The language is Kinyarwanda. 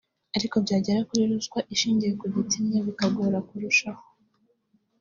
Ariko byagera kuri ruswa ishingiye ku gitsina bikagora kurushaho